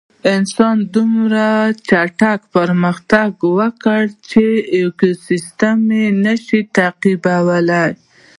انسان دومره چټک پرمختګ وکړ چې ایکوسېسټم یې نهشوی تعقیبولی.